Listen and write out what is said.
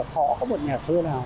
họ có một nhà thơ nào